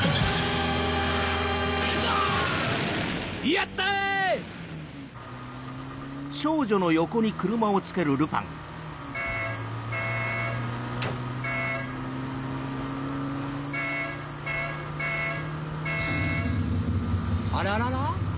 やった‼あららら？